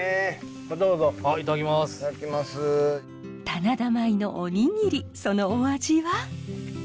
棚田米のおにぎりそのお味は？